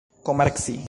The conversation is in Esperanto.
komerci